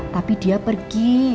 tapi dia pergi